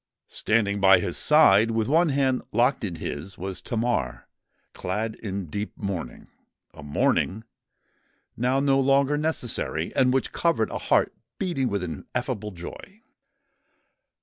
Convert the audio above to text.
Standing by his side, with one hand locked in his, was Tamar, clad in deep mourning—a mourning now no longer necessary, and which covered a heart beating with ineffable joy.